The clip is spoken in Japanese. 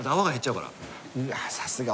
うわさすが。